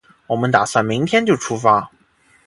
我们打算明天就出发